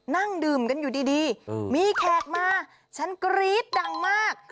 นั่งดื่มกันอยู่ดีมีแขกมาฉันกรี๊ดดังมาก